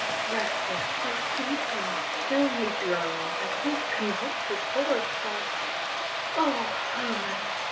» Restless, tho' sleeping, still you groan, And with convulsive horror start; Herman